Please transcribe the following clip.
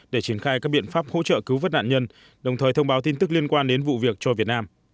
để triển khai các biện pháp hỗ trợ cứu vất nạn nhân đồng thời thông báo tin tức liên quan đến vụ việc cho việt nam